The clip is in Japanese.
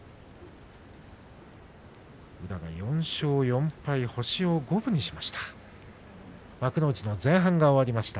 宇良が４勝４敗と星を五分にしました。